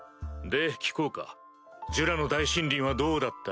で聞こうかジュラの大森林はどうだった？